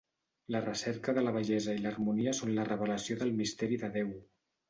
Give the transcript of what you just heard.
La recerca de la bellesa i l'harmonia són la revelació del misteri de Déu.